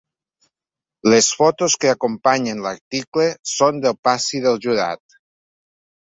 Les fotos que acompanyen l’article són del passi del jurat.